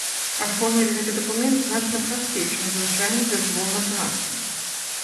Аформіць гэты дакумент значна прасцей, чым звычайны дазвол на працу.